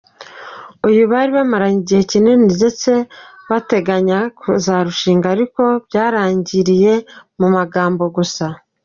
Uyu bari bamaranye igihe kinini ndetse bateganyaga kuzarushinga ariko byarangiriye mu magambo gusa.